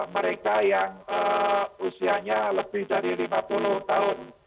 mereka yang usianya lebih dari lima puluh tahun